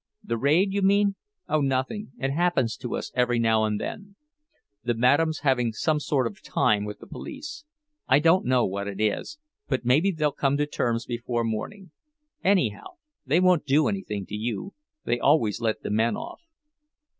"The raid, you mean? Oh, nothing—it happens to us every now and then. The madame's having some sort of time with the police; I don't know what it is, but maybe they'll come to terms before morning. Anyhow, they won't do anything to you. They always let the men off."